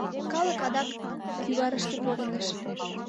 Калык адак кӱварышке погыныш.